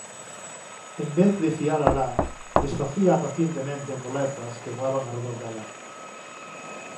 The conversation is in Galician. En vez de fia-la la, desfacíaa pacientemente en folerpas que voaban arredor dela.